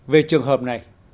về trường hợp này